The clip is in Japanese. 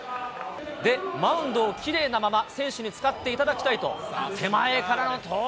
で、マウンドをきれいなまま選手に使っていただきたいと、手前からの投球。